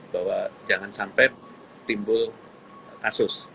bahwa jangan sampai timbul kasus